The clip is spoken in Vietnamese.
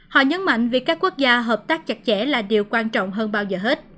họ nhấn mạnh việc các quốc gia hợp tác chặt chẽ là điều quan trọng hơn bao giờ hết